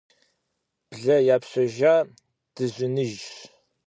Блэ япщэжа дыжьыныжьщ.